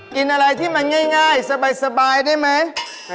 กินอะไรที่มันง่ายสบายได้ไหม